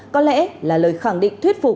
có lẽ là lời khẳng định thuyết phục